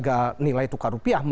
bukan menjaga nilai tukar rupiah